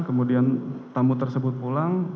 kemudian tamu tersebut pulang